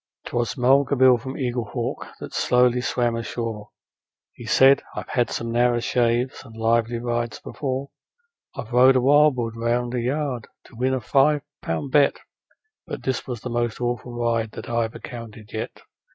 'Twas Mulga Bill, from Eaglehawk, that slowly swam ashore: He said, 'I've had some narrer shaves and lively rides before; I've rode a wild bull round a yard to win a five pound bet, But this was the most awful ride that I've encountered yet.